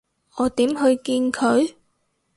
我點去見佢？